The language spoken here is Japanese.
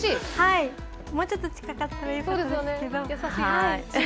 もうちょっと近かったらよかったんですけど。